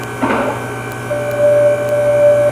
د کلو خمار وهلي تشوي به پیالې خپلي !.